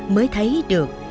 mới thấy được